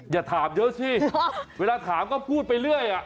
อย่าถามเยอะสิเวลาถามก็พูดไปเรื่อย